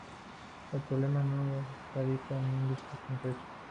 El problema no radica en un disco concreto